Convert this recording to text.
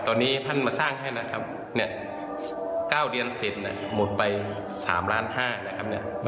ตอนนี้ท่านมาสร้างให้นะครับ๙เดือน๑๐หมดไป๓ล้าน๕นะครับ